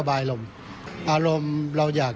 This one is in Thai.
ช่วยให้สามารถสัมผัสถึงความเศร้าต่อการระลึกถึงผู้ที่จากไป